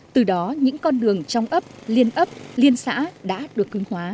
từ đó những con đường trong ấp liên ấp liên xã đã được cứng hóa